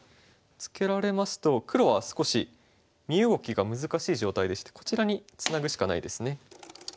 ツケられますと黒は少し身動きが難しい状態でしてこちらにツナぐしかないですね。